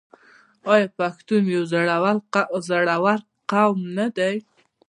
آیا پښتون یو زړور قوم نه دی؟